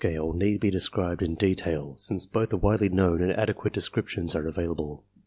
18 ARMY MENTAL TESTS need be described in detail, since both are widely known and adequate descriptions are available.